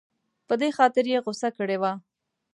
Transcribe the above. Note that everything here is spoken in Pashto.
په دې خاطر یې غوسه کړې وه.